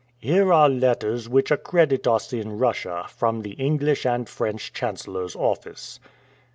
"Here are letters which accredit us in Russia, from the English and French chancellor's office."